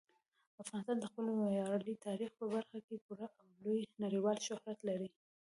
افغانستان د خپل ویاړلي تاریخ په برخه کې پوره او لوی نړیوال شهرت لري.